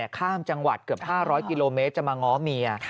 ข้ามจังหวัดเกือบ๕๐๐กิโลเมตรจะมาง้อเมีย